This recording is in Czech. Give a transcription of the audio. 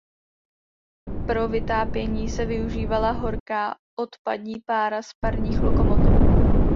Pro vytápění se využívala horká odpadní pára z parních lokomotiv.